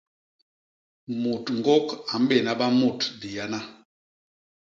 Mut ñgôk a mbéna ba mut diyana.